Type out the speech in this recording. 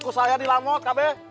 ku saya di lamot kb